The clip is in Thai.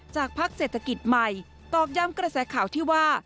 พักเศรษฐกิจใหม่ตอกย้ำกระแสข่าวที่ว่า